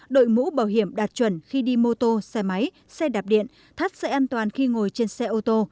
đội mũ bảo hiểm đạt chuẩn khi đi mô tô xe máy xe đạp điện thắt xe an toàn khi ngồi trên xe ô tô